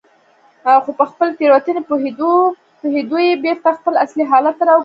خو په خپلې تېروتنې پوهېدو یې بېرته خپل اصلي حالت ته راوګرځاوه.